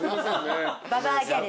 ババアギャル。